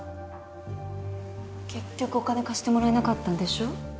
結局お金貸してもらえなかったんでしょう？